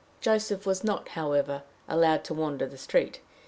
Joseph was not, however, allowed to wander the street.